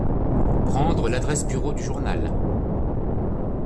Prendre l'adresse bureau du journal.